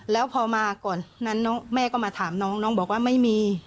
แล้วพอมาก่อนนั้นแม่ก็มาถามน้องน้องบอกว่าไม่มี